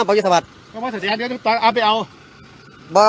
ไม่ครับครับครับ